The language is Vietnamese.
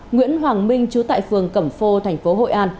nguyễn hoàng minh trú tại phường cẩm phô thành phố hội an